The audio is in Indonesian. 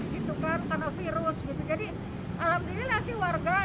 karena memang kan yang penyakit yang positif ini kan bukan air kan